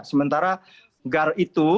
sementara gar itu